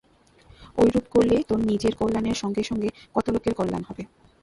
ঐরূপ করলে তোর নিজের কল্যাণের সঙ্গে সঙ্গে কত লোকের কল্যাণ হবে।